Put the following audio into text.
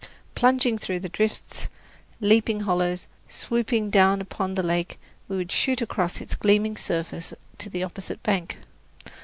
Plunging through drifts, leaping hollows, swooping down upon the lake, we would shoot across its gleaming surface to the opposite bank.